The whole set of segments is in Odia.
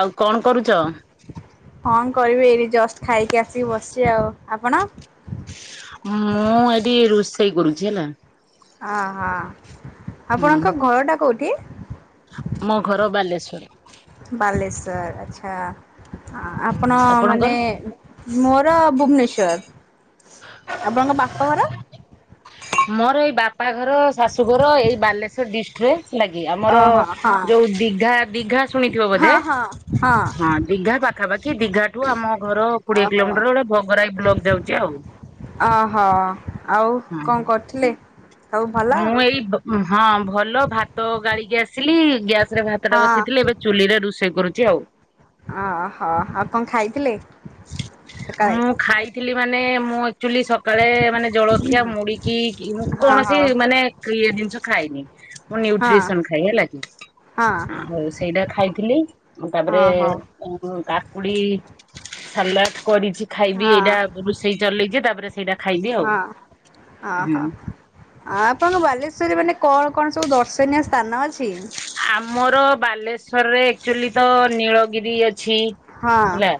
ଆଉ କଣ କରୁଛ? କରିବେ ଏଇଠି ଜଷ୍ଟ ଖାଇକି ଆସିକି ବସିଛି ଆଉ। ଆପଣ? ମୁଁ ଏଠି ରୋଷେଇ କରୁଛି ହେଲା। ଅ ହଁ ହୁଁ। ଆପଣଙ୍କ ଘରଟା କୋଉଠି? ମୋ ଘର [inaudible] ବାଲେଶ୍ଵର ଆଚ୍ଛା। ହୁଁ ଆପଣ ମାନେ ଆପଣଙ୍କର? ମୋର ଭୁବନେଶ୍ଵର। ଆପଣଙ୍କ ବାପ ଘର? ମୋର ଏଇ ବା ବାପା ଘର ଶାଶୁଘର ଏଇ ବାଲେଶ୍ୱର ଡିଷ୍ଟ୍ରି ଟ୍ରେ। ଟକି ଆମର ଓହୋ ହଁ ଯୋଉ ଦିଘା ଦିଘା ଶୁଣିଥିବ ବୋଧେ ହଁ ହଁ ହଁ ଦିଘା ପାଖାପାଖି ଦିଘାଠୁ ଆମ ଘର କୋଡିଏ ଓହୋ। କିଲୋମିଟର ଗୋଟେ ଭଗରାଇ ବ୍ଲକ ଯାଉଛି ଆଉ। ଓହୋ ଆଉ ହଁ କଣ କରିଥିଲେ? ମୁଁ ଏଇ ହଁ ଭଲ ଭାତ ଗାଳିିକି ଆସି ଗ୍ୟାସ ରେ ହଁ ଭାତଟା ବସିଥିଲି ଏବେ ଚୁଲି ରେ ରୋଷେଇ କରୁଛି ଆଉ। ଅହୋ ଆଉ କଣ ଖାଇଥିଲେ ସକାଳେ? ନାଇ ମୁଁ ଚୁଲି ସକାଳେ ମାନେ ଜଳଖିଆ ମୁଡିକି ମୁ ହଁ କଣ ହଁ ମାନେ ଇଏ ଜିନିଷ ଖାଇନି। ମୁ ହଁ ନ୍ୟୁଟ୍ରିସନ ଖାଇ ହେଲା କି, ହଁ ଆଉ ସେଇଟା ଖାଇଥିଲି ତାପରେ ଓହୋ କୁଡି ସାଲଟ କରିଛି ଖାଇବି ହଁ ଏଇଟା ରୋଷେଇ ଚଲେଇଛି ତାପରେ [unintelligible] ହଁ ହ ହୁଁ ହ। ଆପଣ ବାଲେଶ୍ଵର ମାନେ କଣ କଣ ସବୁ ଦର୍ଶନୀୟ ସ୍ଥାନ ଅଛି। ଆମର ବାଲେଶ୍ଵରରେ ଆକଚୁଆଲି ତ ନୀଳଗିରି ଅ ହଁ ହେଲା,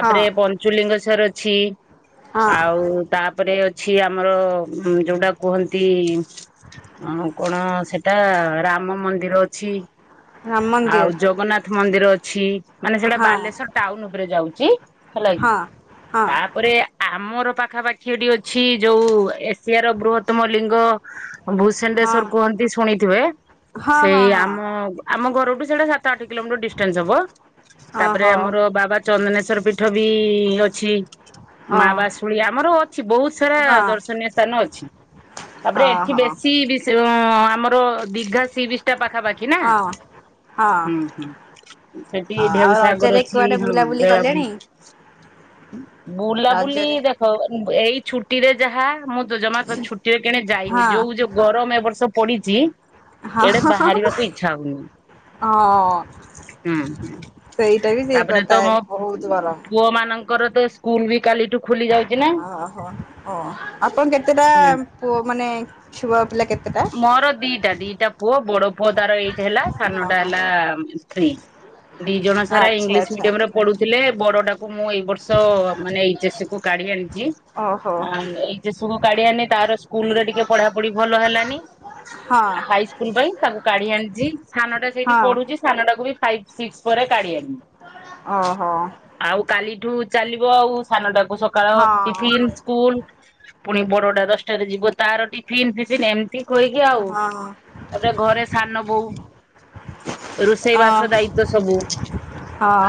ହଁ ପଞ୍ଚୁଲିଙ୍ଗ [unintelligible] ଅଛି। ହଁ ଆଉ ତାପରେ ଅଛି ଆମର ଯୋଉଟା କୁହନ୍ତି କଣ ସେଟା ରାମ ମନ୍ଦିର ରେ ଅଛି। ରାମ ଆଉ ମନ୍ଦିର ଜଗନ୍ନାଥ ମନ୍ଦିର ଅ ଛି। ମାନେ ସେଇଟା ହଁ ବାଲେଶ୍ୱର ଟାଉନ ଉପରେ ଯାଉଛି। କି? ହେଲା କି ହଁ ହଁ ତାପରେ ଆମର ପାଖାପାଖି ହେଟି ଅଛି ଯୋଉ ଏସିଆର ବୃହତମ ଲିଙ୍ଗ। ହଁ ହଁ ଭୂସେଣ୍ଡେଶ୍ଵର କୁହନ୍ତି ଶୁଣିଥିବେ। ହଁ ସେଇ ହଁ ହଁ ଆମ ଆମ। ଘରଠୁ ସେଇଟା ଅଠ କିଲୋମିଟର ଡିଷ୍ଟାନ୍ସ ହବ। ତାପରେ ଓହୋ ଆମର ବାବା ଚନ୍ଦନ ହସର ପୀଠ ବି ଅଛି। ହଁ ମା ବାଶୁଳୀ ଆମର ଅଛି, ବହୁତ ସାରା ହଁ ଦର୍ଶନୀୟ ସ୍ଥାନ ଅଛି ତାପରେ ଏଠି ଓହୋ ବେଶୀ ବି ହଁ ଆମର ଦୀଘା ସି ବିଚ। ପାଖାପାଖି ନା ହଁ ହଁ ହୁଁ ହୁଁ ସେଠି ଆଉ ଢେଉସାଗର ରଜରେ ଅଛି କୁଆଡେ । ହଁ ବୁଲାବୁଲି ବେଳାଭୂମି କଲେଣି? [inaudible] ବୁଲା ବୁଲି ରଜରେ ଦେଖ ଏଇ ଛୁଟିରେ ଯାହା ମୁଁ ତ ଜମା ତ ଛୁଟିରେ କିଣେ ଯାଇନି ହଁ ଯୋଉ ଯୋଉ ଗରମ ଏ ବର୍ଷ ପୋଡିଚି। ହଁ ଏଡେ ବାହାରିବାକୁ ଇଚ୍ଛା ହଉନି ହୁଁ ହଁ ସେଇଟା ବି ସେଇ ତାପରେ କଥା ତ ମୋ ବହୁତ ଗରମ ପୁଅ ମାନ ଙ୍କର ତ ସ୍କୁଲ ବି କାଲିଟୁ ଓହୋ ଓ ଆପଣ କେତେଟା ହୁଁ। ପୁଅ ମାନେ ଛୁଆ ପିଲା କେତେଟା? ମୋ ବଡ ପୁଅ ତାର ଏଇଠି ହେଲା ହଁ ସାନଟା ହଁ ହେଲା। [unintelligible] ଦି ଜଣ ସାରା ଆଚ୍ଛା ଇଂଲିଶ ଆଚ୍ଛା ମିଡିୟମ ରେ ପଢୁଥିଲେ ବଡଟାକୁ ମୁଁ ଏଇ ବର୍ଷ ମାନେ ଏଚ ଏସ୍ କୁ କାଢି ଆଣିଚି ଓହୋ ଏଚ ଏସ୍ କୁ କାଢି ଆଣିନି ତାର ସ୍କୁଲ ରେ ଟିକେ ପଢାପୁଢି ଭଲ ହେଲାନି ହଁ ହାଇ ସ୍କୁଲ ପାଇଁ ତାକୁ କାଢି ଆଣିଚି ସାନ ଟା ସେଇଠି ହଁ ପଢୁଛି ସାନ ଟାକୁ ବି ଫାଇ ଶୀର୍ଷ ରେ ଓହୋ [unintelligible] ଆଉ କାଲି ଏଠୁ ଚାଲିବ ଆଉ ସାନ ଟାକୁ ସକାଳ ହଁ ଟିଫିନ୍ ସ୍କୁଲ ପୁଣି ବଡ ଟା ଦଶଟାରେ ଯିବ ତାର ଟିଫନ୍ ଫିଫ ଏମ୍ [unintelligible] କହିବି ଆଉ ହଁ ତାପରେ ଘରେ ସାନ ବୋଉ ରୋଷେଇ ବାସ ଅଁ ହଁ ଦାୟିତ୍ଵ ସବୁ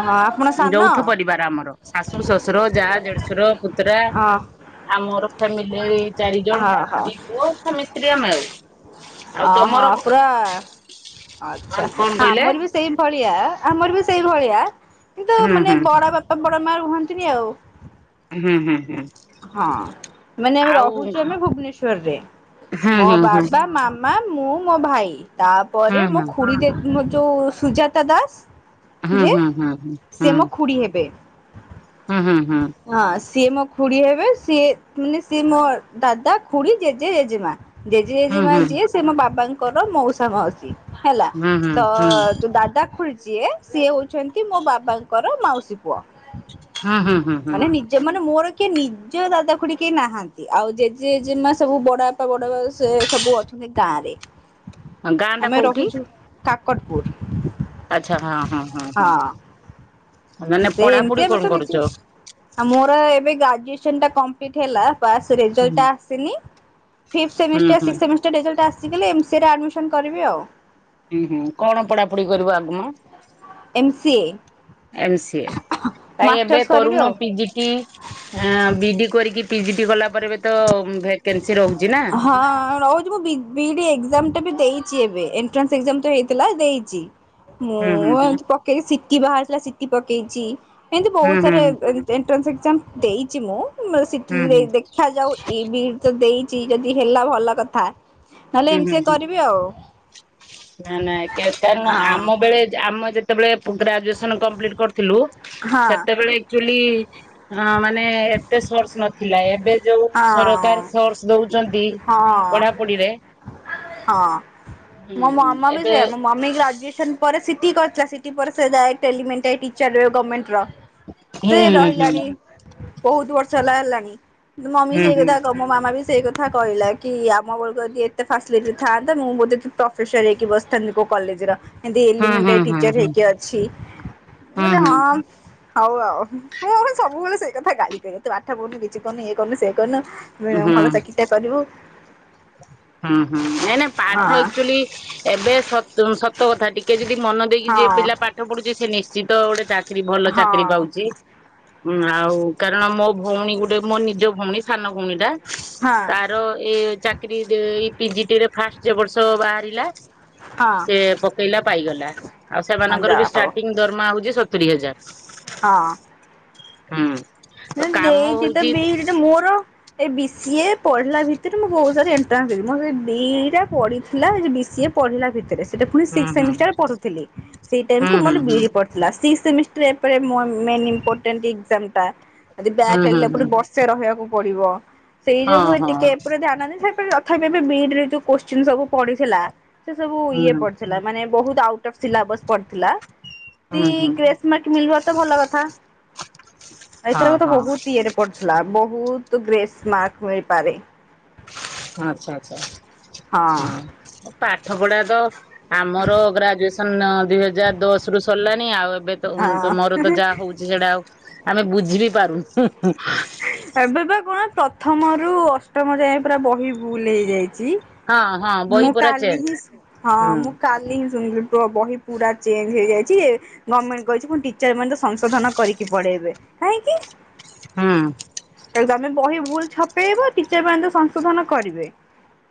ହଁ ଆପଣ ସାନ ଯୌଥ ପରିବାର ଆମର ଶାଶୁ, ଶଶୁର, ଯା, ଦେଢଶୁର, ପୁତୁରା, ହଁ ଆମର ଫ୍ୟାମିଲିରେ ଏଇ ଚାରି ଜଣ ହଁ ହଁ ଦିଇ ପୁଅ ସ୍ଵାମି, ସ୍ତ୍ରୀ ମାଉ ଅ ହଁ ପୁରା କଣ ଆଛା କହିଲେ ଆମର ବି ସେଇ ଭଳିଆ ଆମର ବି ସେଇଭଳିଆ କିନ୍ତୁ ହୁଁ ମାନେ ହୁଁ ବଡ ବାପା ବ [unintelligible] ରୁହନ୍ତିନି ଆଉ ହୁଁ ହୁଁ ହୁଁ। ହଁ ମାନେ ଆମେ ଆଉ ରହୁଛୁ ଆମେ ଭୁବନେଶ୍ଵରରେ ହୁଁ ମୋ ହୁଁ ହୁଁ ବାବା ମାମା ମା ମୁଁ ମୋ ଭାଇ ତାପରେ ମୋ ଖୁଡି ଦେଖି ନଥିେବେ ଯୋଉ ସୁଜାତା ଦାସ ହୁଁ ଯିଏ ହୁଁ ହୁଁ ହଁ ସିଏ ହୁଁ। ମୋ ଖୁଡି ହେବେ ହୁଁ ହୁଁ ହୁଁ। ସେଏ ଖୁରୀ ହେବେ ସିଏ ମାନେ ସିଏ ମୋ ଦାଦା ଖୁୁରୀ ଜେଜେ ଜେଜେମା ଜେଜେ ଜେଜେମା ଯିଏ ସେ ମୋ ବାବାଙ୍କୁ କର ମଉସା ମାଉସୀ ହେଲା ହୁଁ ହୁଁ ତ ହୁଁ ହୁଁ ତୁ ଦାଦା ଖୁଡି ଯିଏ ସିଏ ହଉଛନ୍ତି ମୋ ବାବାଙ୍କର ମାଉସୀ ପୁଅ। ହୁଁ ହୁଁ ହୁଁ ମାନେ ନିଜ ହୁଁ। ମାନେ ମୋର କିଏ ନିଜ ଦାଦା ଖୁଡି କେହି ନାହାନ୍ତି ଆଉ ଜେଜେଜେମା ସବୁ ବଡ ବାପା ବଡ ବା ସବୁ ଅଛନ୍ତି ଗାଁ ରେ। ଆ ଗାଁ ଟା କୋଉଠି? କଟପୁର। ଆଚ୍ଛା ହଁ ହଁ ହଁ ହଁ। ମାନେ ସେ ଏମତି ପଢାପଢି ଏ କଣ ସବୁ କରୁଛ ମିଶିକି ଆ ମୋର ଏବେ ଗ୍ରାଜୁଏସନ୍ ଟା କମ୍ପଲିଟ ହେଲା। କ୍ଲାସ୍ ହୁଁ ରେଜଲ୍ଟ ଆସିନି । ଫିପଥ ହୁଁ ସେମିଷ୍ଟର ହୁଁ ସିକ୍ସ ସେମିଷ୍ଟର ରେଜଲ୍ଟ ଆ ଆସି ଗଲେ ଏମସିଏ ରେ ଆଡ଼ମିସନ୍ କରିବି ଆଉ। ହୁଁ ହୁଁ କଣ ପଢାପଢି କରିବ ଆଗମ। ଏମସିଏ। ଏମ ସିଏ କାଇଁ ଏବେ କରିବି କରୁନ ଆଉ ପିଜିଟି ବି ଡି କରିକି ପିଜି ଟି କଲା ପରେ ଏବେ ତ ଭେକେନ୍ସି ରହୁଛି ନା। ହଁ ରହୁଛି ମୁଁ ବି ବିଡି ଏକଜାମ୍ ବି ଦେଇଛି ଏବେ ଏଣ୍ଟ୍ରାସ ଏକଜାମ୍ ତ ହେଇଥିଲା ଦେଇଛି। ମୁଁ ହୁଁ ହୁଁ ଏ ହୁଁ ପକେଇକିଚି କି ବାହରିଥିଲା ସିଟି ପକେଇଛି। ଏମତି ବହୁତ ହୁଁ ସାର ଏନ୍ ଏଣ୍ଟ୍ରାସ ମ୍ ଦେଇଛି ମ ମୋ ହୁଁ ସିଟିଂ ହୁଁ ରେ ହୁଁ ଦେଖାଯାଉ ଏ ବି ଦେଇଛି ଯଦି ହେଲା ଭଲ କଥା। ନହେଲେ ହୁଁ ଏମ ସି ହୁଁ ଏ ହୁଁ କରିବି ଆଉ ନା ନା କାରଣ ହଁ ଆମ ବେଳେ ଆମ ଯେ ସେତେବେଳେ ଗ୍ରାଜୁଏସନ କମ୍ପ୍ଲିଟ କରିଥିଲୁ ହଁ। ସେତେବେଳେ ଆଚୁଆଲି ହଁ ମାନେ ଏତେ ସୋର୍ସ ନ ଥିଲା ଏବେ ଯୋଉ ସରକାର ହଁ ସୋର୍ସ ଦଉଛନ୍ତି ହଁ ପଢାପଢିରେ ହଁ ହୁଁ ମୋ ହୁଁ ମାମା ବି ଏବେ ସେଇଆ ମୋ ମମି ଗ୍ରାଜୁଏସନ୍ ପ ପରେ ସିଟି କରିଥିଲା ସିଟି ପରେ ସେ ଯାଏ ଟେଲିମେଟା ଟିଚର ର ଗମେଣ୍ଟର ହୁଁ ସେ ହୁଁ ହୁଁ ରହିଲାଣି। ବହୁତ୍ ବର୍ଷ ହେଲା ହେଲାଣି। କିନ୍ତୁ ମମି ହୁଁ ସେଇ ହୁଁ କଥା କ ମାମା ବି ସେଇ କଥା କଥା କହିଲା କି ଆମ ବେଳକୁ ଯଦି ଏତେ ଫାସିଲିଟି ଥାନ୍ତା ମୁଁ ବୋଧେ ପ୍ରଫେସର ହେଇକି ବସିଥାନ୍ତି କୋଉ କଲେଜର। ଏବେ ହୁଁ ଏଲିମେଟ ହୁଁ ଟିଚର ହୁଁ ହେଇକି ଅଛି ମୁଁ ହୁଁ କହିଲି ହୁଁ ହଁ। ହଉ ଆଉ ମୋ ମମି ସବୁବେଳେ ସେଇ କଥା ଗାଳି କରେ ତୁ ପାଠ ପଢନୁ କି? କିଛି କରୁନୁ ଇଏ କରୁନୁ ସେ କନ ହୁଁ ହୁଁ ଭଲ ଚାକିରୀଟେ କରିବୁ। ହୁଁ ହୁଁ ନାଇଁ ନାଇଁ ହଁ ପାଠ ଏକଚୁଆଲି ଏବେ ସତ ସତ୍ ଠ ଟା ଟିକେ ଯଦି ମନ ଦେଇକି ଯିଏ ହଁ। ପିଲା ପାଠ ପଢୁଚି ସେ ନିଶ୍ଚ ଶ୍ଚିତ ଗୋଟେ ପା ଚାକିରି ଭଲ ଚାକିରି ହଁ ପାଉଚି। ଉଁ ଆଉ କାରଣ ମୋ ଭଉଣୀ ଗୋଟେ ମୋ ନିଜ ଭଉଣୀ ସାନ ଭଉଣୀ ଟା ହଁ ତାର ଏଇ ଚା କିରି ଦେଇ ପିଯିଟି ରେ ଫାଷ୍ଟ ଯେ ବର୍ଷ ବାହାରିଲା। ହଁ ସେ ପକେଇଲା ପାଇଗଲା। ଆଉ ହଁ ସେମାନଙ୍କର ଯା ବି ହଉ ଷ୍ଟାର୍ଟିଂ ଦରମା ହଉଚି ସ ତୁରୀ ହଜାର। ହଁ। ହୁଁ। ହେ କାମ ଦେଇଚି ତ ହଉଛି ବିଡି ଟେ ମୋର ଏ ବି ସି ଏ ପଢ଼ଲା ଭିତରେ ମୁଁ ବହୁତ ସାରା ଏଣ୍ଟ୍ରାନ୍ସ ଦେଇଥିଲିି। ମୋର ସେ ବି ଡି ଟା ପଡ଼ିଥିଲା ଏ ଯୋଉ ବି ସି ଏ ପଢ଼ିଲା ଭିତରେ । ସେଟା ପୁଣି ହୁଁ ସିକ୍ ହୁଁ ସେମିଷ୍ଟାର ପଢୁଥିଲି। ସେଇ ଟାଇମ୍ ହୁଁ କୁ ହୁଁ ମୋର ବି ଇ ଡି ହୁଁ ପଡିଥିଲା। ସେମିଷ୍ଟାର ଏପରେ ମେନ୍ ଇମ୍ପୋଟାଣ୍ଟ ଏକ୍ଜାମ୍ ଟା। ଆଜି ବ୍ୟାକ୍ ହୁଁ ହୁଁ ଲାଗିଲା ହୁଁ। ପରେ ବର୍ଷେ ରହିବାକୁ ପଡ଼ିବ। ସେଇ ଯୋଗୁ ହଁ ହଁ ଟିକେ ପୁରା ଧ୍ୟାନ ଦେଇଥାଇପାରେ। ଥାପି ଏବେ ବି ଇ ଡିରେ ଯଉ କୋସଚିନ୍ ସବୁ ପଡିଥିଲା। ସେ ସବୁ ହୁଁ ଇଏ ପଡିଥିଲା ମାନେ ବହୁତ ଆଉ ଟପ ସିଲାବସ୍ ପଡିଥିଲା। ଯଦି ହୁଁ ହୁଁ ଗ୍ରେସମାର୍କ ମିଳିବ ତ ଭଲ କଥା। ହଁ ଏଥର ତ ହଁ। ବହୁତ ଇଏରେ ପଡିଥିଲା ବ ବହୁତ ଗ୍ରେସ୍ ମାର୍କ ମିଳିପାରେ। ହଁ ଆଚ୍ଛା ଆଚ୍ଛା ହଁ ପାଠ ପଢା ର ଆମର ଗ୍ରାଜୁଏସନ୍ ନା ଦୁଇ ହଜାର ଦଶରୁ ସରିଲାଣି ଆଉ ଏବ୍ ଏବେ ତ ତ ମୋର ହଁ ତ ଯାହା ହଉଚି, ସେଇଟା ଆଉ ଆମେ ବୁଝି ବିି ପାରୁନୁ, ହୁଁ ହୁଁ। ଏବେ ବା କଣ ପ୍ରଥମରୁୁ ଅଷ୍ଟମ ଯାଏ ପୁରା ବହି ଭୁଲ୍ ହେଇଯାଇ ଚି? ହଁ ହଁ ବହି ମୁଁ ପୁରା କାଲି ଚେଞ୍ଜ ହିଁ ହଁ ହୁଁ ମୁଁ କାଲି ହିଁ ଶୁଣିଲି ବହି ପୁରା ଚେଞ୍ଜ ହେଇଯାଇଛି ଏ ଗମେଣ୍ଟ କହିଛି ପୁଣି ଟି ଟିଚର ମାନେ ତ ସଂଶୋଧନ କରିକି ପଢେଇବେ। କାହିଁକି? ହୁଁ ଏକ ତ ଆମ ବହି ଭୁଲ ଛପେଇବ ଟିଚର ମାନେ ତ ସଂଶୋଧନ କରିବେ।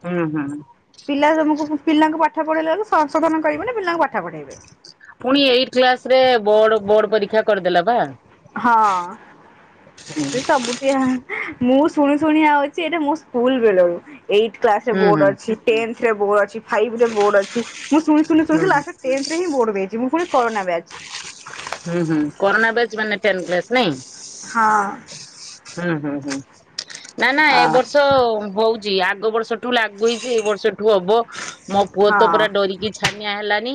ହୁଁ ହୁଁ। ପିଲା ତମକୁ ପିଲାଙ୍କୁ ପାଠ ପଢେଇଲା ବେଳକୁ ସଂଶୋଧନ କରିବେ ନା ପିଲାଙ୍କୁ ପାଠ ପଢେଇବେ। ପୁଣି ଏଇଟ୍ କ୍ଲାସରେ ବୋର୍ଡ ବୋର୍ଡ ପରୀକ୍ଷା କରିଦେଲା ବା। ହଁ ସେ ସବୁଠି ମୁଁ ଶୁଣି ଶୁଣି ଆଉଛି ଏଇଟା ମୋ ସ୍କୁଲ ବେଳରୁ। ଏଇଟ୍ କ୍ଲାସରେ ହୁଁ ହୁଁ ବୋର୍ଡ ଅଛି ଟେନଥ ଏଥିରେ ବୋର୍ଡ ଅଛି ଫାଇଭ ରେ ବୋର୍ଡ ଅଛି। ମୁଁ ଶୁଣି ଶୁଣିି ଶୁଣି ଲାଷ୍ଟ ହୁଁ ରେ ଟେନଥ ରେ ହିଁ ବୋର୍ଡ ଦେଇ ଜେ ମୁଁ ପୁଣି କରୋନା ବ୍ୟାଚ୍। ହୁଁ ହୁଁ କରୋନା ବ୍ୟାଚ୍ ମାନେ [unintelligible] ନାଇଁ। ହଁ। ହୁଁ ହୁଁ ହୁଁ। ନା ନା ଏ ହଁ ବର୍ଷ ବହୁତ ଜୀ ଆଗ ବର୍ଷଠୁ ଲାଗୁ ହେଇଛି ଏଇ ବର୍ଷଠୁ ହବ। ମୋ ପୁଅ ତ ହଁ ପୁରା ଡରିକି ଛାନିଆ ହେଲାନି।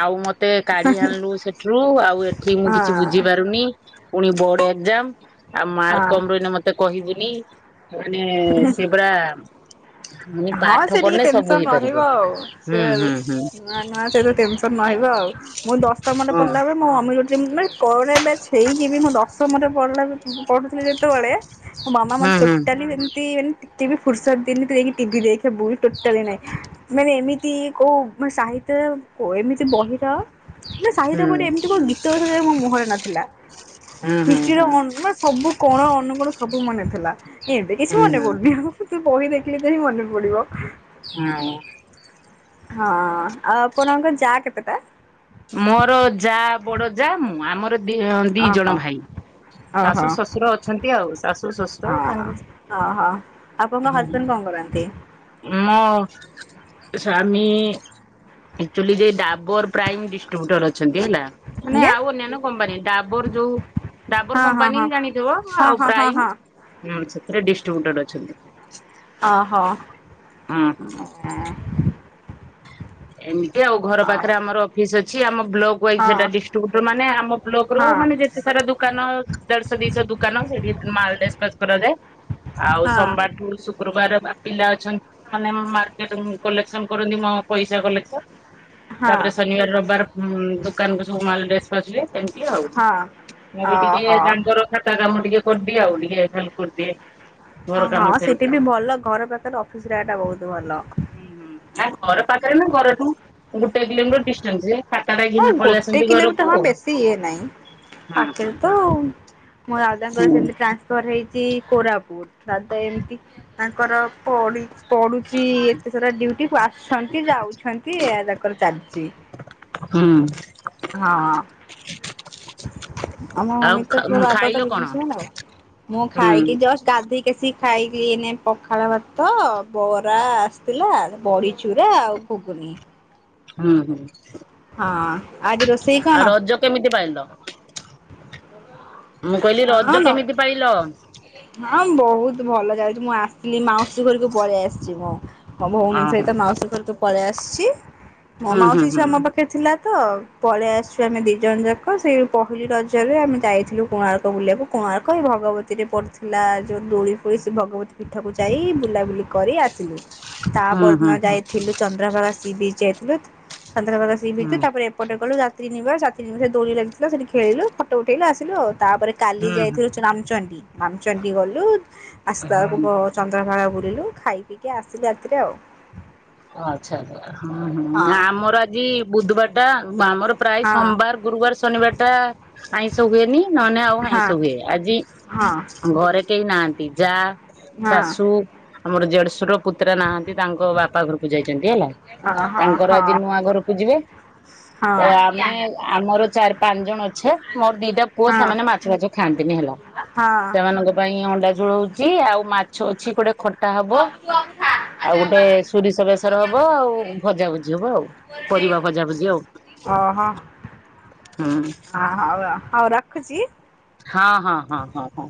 ଆଉ ମତ୍ ତେ କାଢି ଆଣିଲୁ ସେଠୁ ରୁ ଆଉ ଏଠି ମୁଁ କିଛି ବୁଝି ହଁ ପାରୁନି। ପୁଣି ବୋର୍ଡ ଏକ୍ଜାମ। ଆଉ ମାର୍କ ହଁ। କମ ରହିଲେ ମତେ କହିବୁନି। [unintelligible] ମାନେ ସେପରା ହଁ ସେ ଟିକେ ଟେନସନ ହେଇପାରିବ। ରହିବ ଆଉ। ସେ ହୁଁ ହୁଁ ହୁଁ ନୂଆ ନୂଆ ଟେନସନ ରହିବ ଆଉ। ମୁଁ ଦଶମରେ ହଁ ପଢିଲା ବେଳକୁ। [unintelligible] କଣ ଏବେ ଛେଇକି ବି ମୁଁ ଦଶମରେ ପଢିଲା ପଢ଼ୁଥିଲି ଯେତେବେଳେ ମୋ ମାମା ହୁଁ ମତେ ହୁଁ ଟୋଟାଲି ସେମିତି ଏମତି କେବ ଫୁର୍ସତ ଦିଏନି ତୁ ଯାଇକି ଟିଭି ଦେଖେ ବୁଲ ଟୋଟାଲି ନାହିଁ ମାନେ ଏମିତି କଉ ସାହିତ୍ୟ ପୋ ଏମିତି ବହିର ନା ସାହିତ୍ୟ ହୁଁ କଉଠି ହୁଁ ଏମିତି କଉ ଗୀତ ମୋ ମୁହଁରେ ନଥିଲା ହୁଁ ହୁଁ। ହିଷ୍ଟ୍ରିର ଅନ ମାନେ ସବୁ କଣ ଅନ ଅନୁକୋଣ ସବୁ ମନେଥାଏ। ଥିଲା ଏବେ କିଛି ହୁଁ ମନେ ହୁଁ ହୁଁ ପଡୁନି ଆଉ? ବହି ଦେଖିଲି ଏତେ ବି ମନେ ପଡ଼ିବ ହଁ। ହଁ। ଆଉ ଆପଣଙ୍କ ଯା କେତେ? ଟା ମୋର ଯା ବଡ ଯା ମୁଁ ଆମର ଦି ଦି ଜଣ ଓହୋ ଭାଇ ଶାଶୁ ଓହୋ ଶ୍ୱଶୁର ଅଛନ୍ତି ଆଉ ଶାଶୁ ଶ୍ୱଶୁର ହଁ ତାଙ୍କ ଓହୋ। ଆପଣଙ୍କ ହଜବେଣ୍ଡ କଣ କରନ୍ତି? ହୁଁ ମୋ ସ୍ୱାମୀ ଆକ୍ଚୁଲି ଯେ ଡାବର ପ୍ରାଇମ ଡିଷ୍ଟ ଡିଷ୍ଟ୍ରିବ୍ୟୁଟର ଅଛନ୍ତି ହେଲା ମାନେ ଆଜ୍ଞା ଆଉ ଅନ୍ୟାନ୍ୟ କମ୍ପାନୀ ଡାବର ଯୋଉ ଡାବର ହଁ ହଁ କମ୍ପାନୀ ହଁ ଜାଣିଥିବ ଆଉ ହଁ ହଁ ହଁ ପ୍ରାଇମ ହଁ। ହୁଁ ସେଥିରେ ଡିଷ୍ଟ୍ରିବ୍ୟୁଟର ଅଛନ୍ତି। ଓ ହୋ। ଏମି ତି ଆଉ ଘର ପାଖରେ ଆମର ଅଫିସ୍ ଅଛି। ଅଛି ଆମ ବ୍ଲକ ହଁ ୱାଇଜ ସେଟା ହଁ। ଡିଷ୍ଟ୍ରିବ୍ୟୁଟର ମାନେ ଆମ ବ୍ଲକ ର ମାନେ ଯେତେ ସାରା ଦୋକାନ ଦେଢଶହ ଦିଶହ ଦୁକାନ ସେଠି ମାଲ ଡେସ୍ପାଚ କରାଯାଏ ଆଉ ହଁ ସୋମବାରଠୁ ଶୁକ୍ରବାର ପିଲା ଅଛନ୍ତି ସେମାନେ ମାର୍କେଟିଙ୍ଗ କଲେକ୍ସନ କ ରନ୍ତି ମଁ ପଇସା କଲେକ୍ସନ ତାପରେ ଶନିବାର ରବିବାର ଦୋକାନ କୁ ସବୁ ମାଲ ଡେ ସ୍ପାଚ ହୁଏ। ସେମିତି ଆଉ ହଁ ମୁଁ ବି ହଁ। ଟିକେ ଓହୋ ତାଙ୍କର ଖାତା କାମ ଟିକେ କରଦିଏ ଆଉ ଟିକେ ଖାଲ କରିଦିଏ ହଁ ଘର କାମ ହଁ ସାରିକି ସେଠି ଆଉ। ବି ଭଲ ଘର ପାଖରେ ଅଫିସ ରା ଟା ବହୁତ ଭଲ। ହୁଁ ହୁଁ ନା ଘର ପାଖରେ ନା ଘରଠୁ? ଗୋଟେ କିଲୋମିଟର ଡିଷ୍ଟାନ୍ସ ରେ ହଁ ଗୋଟେ କିଲୋମିଟର ହଁ ବେଶୀ ଇଏ ନାହିଁ ହଁ ପାଖରେ ହଁ। ତ ମୋ ଦାଦାଙ୍କର ହୁଁ। ସେମତି ଟ୍ରାନ୍ସଫର ହେଇ ସେ କୋରାପୁଟ ଦାଦା ଏମିତି ତାଙ୍କର ପଡିଚି ପଡୁଚି ଏତେ ସାରା ଡିଉଟି ଆସୁଛନ୍ତି ଯାଉଛନ୍ତି ଏଇଆ ତାଙ୍କର ଚାଲିଚି। ହଁ। ହଁ ଆମ ଆଉ ମମି ତ ଖାଇଲ କଣ? [unintelligible] ଆଉ ମୁଁ ହୁଁ। ଖାଇକି ଜଷ୍ଟ ଗାଧେଇକି ଆସିକି ଖାଇକି ଏଇନେ ପଖାଳ ଭାତ ବରା ଆସିଥିଲା ବଡି ଚୁରା ଆଉ ଘୁଗୁନି। ହଁ ହଁ। ହଁ ଆଜି ରୋଷେଇ କଣ? ରଜ କେମିତି ପାଳିଲ? ମୁଁ କଇଲି ହଁ ରଜ ନ କେମିତି ପାଳିଲ? ହଁ ବହୁତ ଭଲ ଯାଉଚୁ ମୁଁ ଆସଥିଲି ମାଉସୀ ଘରକୁ ପଳେଇ ଆସିଚି ମୁଁ। ମୋ ଭଉଣୀ ସଇତ ମାଉସୀ ଘରକୁ ପଳି ଆସିଚି। ମୋ ମାଉସୀ ଝିଅ ଆମ ପାଖରେ ଥିଲା ତ ପଳେଇ ଆସିଚୁ ଆମେ ଦି ଜଣ ଯାକ ସେଇ ପହିଲି ରଜରେ ଆମେ ଯାଇଥିଲୁ କୋଣାର୍କ ବୁଲିବାକୁ କୋଣାର୍କ ଏଇ ଭଗବତୀରେ ପଡୁଥୁଲା ଯୋଉ ଦୋଳି ଫୋଳି ସେ ଭଗବତୀ ପୀଠକୁ ଯାଇ ବୁଲାବୁଲି କରି ଆସିଲୁ। ତା ପରଦିନ ଯାଇଥିଲୁ ଚନ୍ଦ୍ରଭାଗା ସି ବି [unintelligible] ଚନ୍ଦ୍ରଭାଗା ସି ବିଚ୍ ତା ପରେ ଏପଟେ ଗଲୁ ଯା ତ୍ରିନିବା [unintelligible] ଦୋଳି ଲାଗିଥିଲା ସେଠି ଖେଳିଲୁ ଫଟୋ ଉଠେଇଲୁ ଆସିଲୁ ଆଉ ତାପରେ କାଲି ଯାଇଥିଲୁ ରାମଚଣ୍ଡୀ ରାମଚଣ୍ଡୀ ଗଲୁ ଆସିଲା ବେଳୁକୁ ବ ଚନ୍ଦ୍ରଭାଗା ବୁ ଲିଲୁ ଖାଇ ପିକି ଆସିଲୁ ରାତିରେ ଆଉ। ଓ ଆଚ୍ଛା ଆଚ୍ଛା ହଁ ହୁଁ ଆମର ଆଜି ବୁଧବାର ଟା ଆମର ପ୍ରାୟ ହଁ ସମବାର, ଗୁରୁବାର, ଶନିବାର ଟା ଆଇଁଷ ହୁଏନି । ନହେନେ ଆଉ ହଁ ଆଇଁଷ ହୁଏ ଆଜି ହଁ ଘରେ କେହି ନାହା ପିଜା ଶାଶୁ ମୋର ଦେଢଶୁର ପୁତୁରା ନାହାନ୍ତି ତାଙ୍କ ବାପା ଘ ଯାଇଚନ୍ତି ହେଲା ହଁ ହଁ ହଁ ତାଙ୍କର ହଁ ଆଜି ନୂଆ ଘରକୁ ଯିବେ ତ ହଁ ଆମେ ଆମର ଚାର ପାଞ୍ଚ ଜଣ ଅ ଛୁ ମୋର ଦିଟା ପୁଅ ସେମାନେ ମାଛ ଫାଛ ଖାଆନ୍ତିନି ହେଲା ହଁ ହଁ ହଁ ସେମାନଙ୍କ ପାଇଁ ଅଣ୍ଡା ଝୋଳ ହୋଉଚି ଆଉ ମାଛ ଅଛି ଗୋଟେ ଖ ଟା ହବ ଆଉ ଗୋଟେ ସୁରିସ ବେ ଚର ହବ ଆଉ ଭଜାଭୁଜି ହବ ଆଉ ପରିବା ଭଜାଭୁଜି ଆଉ ଓହୋ ହୁଁ। ରଖୁଚି। ହଁ ହଁ ହଁ। ହଁ ହଁ।